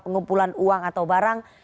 pengumpulan uang atau barang